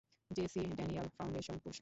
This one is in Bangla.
জেসি ড্যানিয়েল ফাউন্ডেশন পুরস্কার